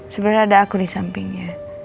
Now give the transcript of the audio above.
sebenernya ada aku disampingnya